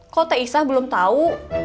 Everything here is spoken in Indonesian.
kenapa t isa belum tahu